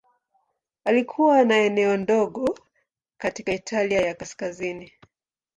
Alikuwa na eneo dogo katika Italia ya Kaskazini.